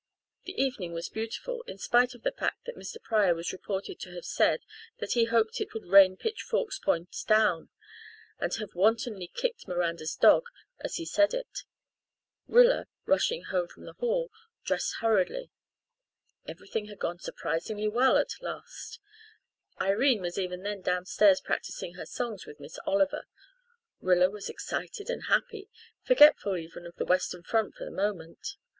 The evening was beautiful, in spite of the fact that Mr. Pryor was reported to have said that he "hoped it would rain pitch forks points down," and to have wantonly kicked Miranda's dog as he said it. Rilla, rushing home from the hall, dressed hurriedly. Everything had gone surprisingly well at the last; Irene was even then downstairs practising her songs with Miss Oliver; Rilla was excited and happy, forgetful even of the Western front for the moment.